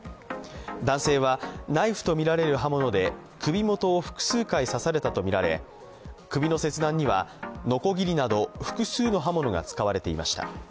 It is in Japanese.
男性はナイフとみられる刃物で首元を複数回刺されたとみられ首の切断にはのこぎりなど複数の刃物が使われていました。